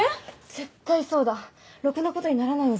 絶対そうだろくなことにならないよ